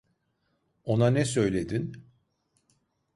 Ona ne söyledin?